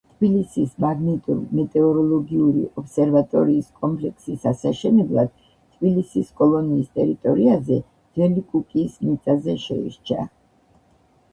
თბილისის მაგნიტურ-მეტეოროლოგიური ობსერვატორიის კომპლექსის ასაშენებლად თბილისის კოლონიის ტერიტორიაზე, ძველი კუკიის მიწაზე შეირჩა.